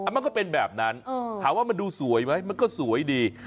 มันก็เป็นแบบนั้นถามว่ามันดูสวยไหมมันก็สวยดี